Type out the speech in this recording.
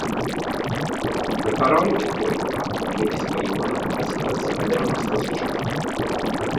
Le parole del poeta ben esprimono la situazione della nostra società.